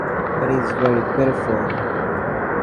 It is very beautiful.